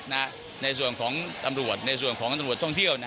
ในส่วนของตำรวจในส่วนของตำรวจท่องเที่ยว